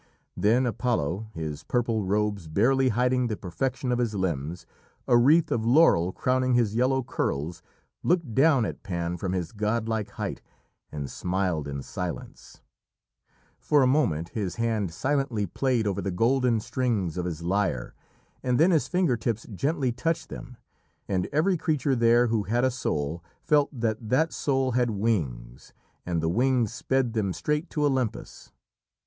Then Apollo, his purple robes barely hiding the perfection of his limbs, a wreath of laurel crowning his yellow curls, looked down at Pan from his godlike height and smiled in silence. For a moment his hand silently played over the golden strings of his lyre, and then his finger tips gently touched them. And every creature there who had a soul, felt that that soul had wings, and the wings sped them straight to Olympus.